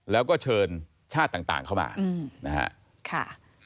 แล้วก็เชิญชาติต่างเข้ามานะฮะ